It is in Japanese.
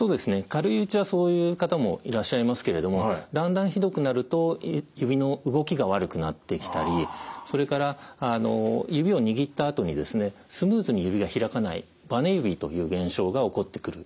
軽いうちはそういう方もいらっしゃいますけれどもだんだんひどくなると指の動きが悪くなってきたりそれから指を握ったあとにスムーズに指が開かないばね指という現象が起こってくる。